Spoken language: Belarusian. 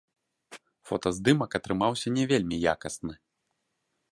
Фотаздымак атрымаўся не вельмі якасны.